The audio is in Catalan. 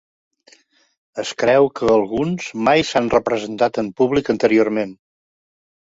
Es creu que alguns mai s'han representat en públic anteriorment.